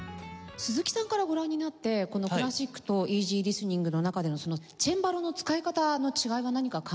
鈴木さんからご覧になってクラシックとイージーリスニングの中でのチェンバロの使い方の違いは何か感じますか？